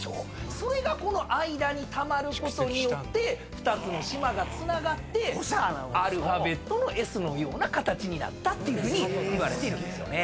それがこの間にたまることによって２つの島がつながってアルファベットのＳのような形になったっていわれているんですよねぇ。